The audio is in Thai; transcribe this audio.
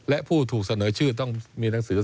และผู้ถูกเสนอชื่อต้องมีหนังสือ